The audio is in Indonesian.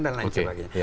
dan lain sebagainya